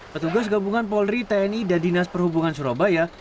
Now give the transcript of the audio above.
petugas gabungan polri tni dan dinas perhubungan surabaya